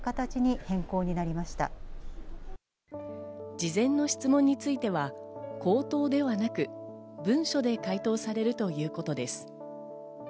事前の質問については口頭ではなく文書で回答されるということです。